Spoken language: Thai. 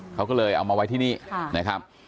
เขาก็เลยเอามาไว้ที่นี่นะครับ